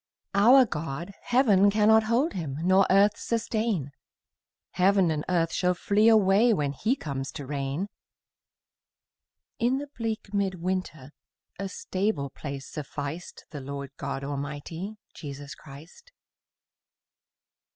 Our God, heaven cannot hold Him, Nor earth sustain; Heaven and earth shall flee away When He comes to reign: In the bleak mid winter A stable place sufficed The Lord God Almighty, Jesus Christ.